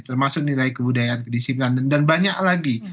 termasuk nilai kebudayaan kedisiplinan dan banyak lagi